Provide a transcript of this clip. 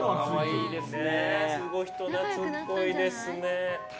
すごい、人懐っこいですね。